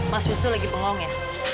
mas wisnu lagi bengong ya